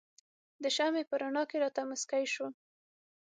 د شمعې په رڼا کې راته مسکی شو.